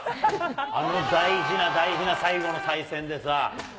あの大事な大事な最後の対戦でさ。